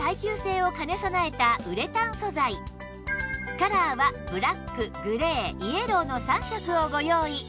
カラーはブラックグレーイエローの３色をご用意